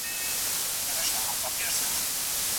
مړ مار ولي په ډګر کي د ږغ او پاڼي لاندې پروت و؟